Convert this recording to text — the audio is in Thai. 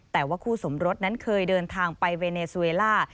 แต่ว่าคู่สมรสนั้นเคยเดินทางไปเวเนซูเวล่า